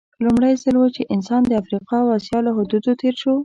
لومړی ځل و چې انسان د افریقا او اسیا له حدودو تېر شو.